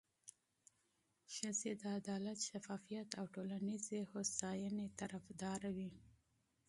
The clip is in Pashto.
ښځې د عدالت، شفافیت او ټولنیزې هوساینې طرفداره وي.